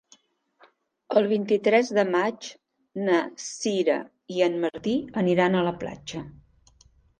El vint-i-tres de maig na Sira i en Martí aniran a la platja.